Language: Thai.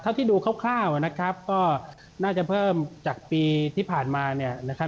เท่าที่ดูคร่าวนะครับก็น่าจะเพิ่มจากปีที่ผ่านมาเนี่ยนะครับ